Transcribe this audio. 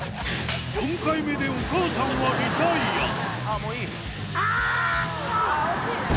４回目でお母さんはリタイアもういいひん。